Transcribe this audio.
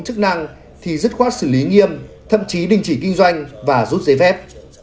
chức năng thì dứt khoát xử lý nghiêm thậm chí đình chỉ kinh doanh và rút giấy phép